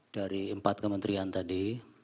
dari empat kementerian tadi